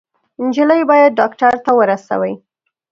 _نجلۍ بايد ډاکټر ته ورسوئ!